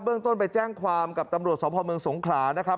เรื่องต้นไปแจ้งความกับตำรวจสพเมืองสงขลานะครับ